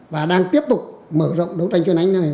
và đang tiếp tục mở rộng đấu tranh chuyên án này